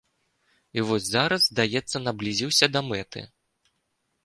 І вось зараз, здаецца, наблізіўся да мэты.